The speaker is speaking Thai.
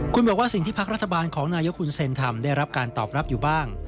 คุณบอกว่าสิ่งที่พักรัฐบาลของนายกคุณเซ็นทำได้รับการตอบรับอยู่บ้าง